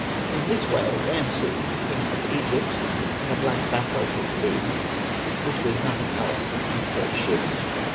In this way Rameses, king of Egypt, in a black basalt of Thebes (which was nothing else than Antwerp shist) has.